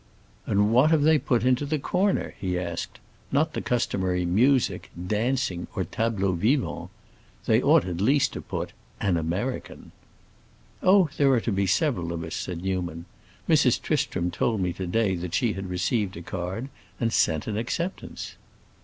"And what have they put into the corner?" he asked. "Not the customary 'music,' 'dancing,' or 'tableaux vivants'? They ought at least to put 'An American.'" "Oh, there are to be several of us," said Newman. "Mrs. Tristram told me to day that she had received a card and sent an acceptance."